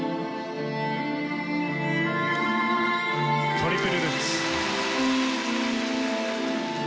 トリプルルッツ。